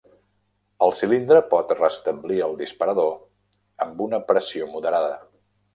El cilindre pot restablir el disparador amb una pressió moderada.